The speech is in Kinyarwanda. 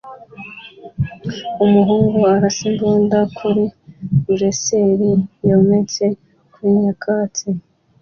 Umuhungu arasa imbunda kuri bullseye yometse kuri nyakatsi